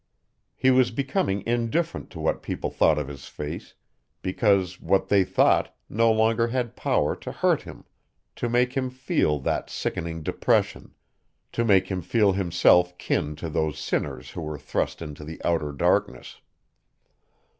He was becoming indifferent to what people thought of his face, because what they thought no longer had power to hurt him, to make him feel that sickening depression, to make him feel himself kin to those sinners who were thrust into the outer darkness.